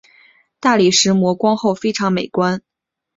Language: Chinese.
大理石磨光后非常美观。